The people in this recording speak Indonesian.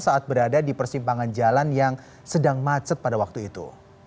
saat berada di persimpangan jalan yang sedang macet pada waktu itu